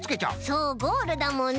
そうゴールだもんね。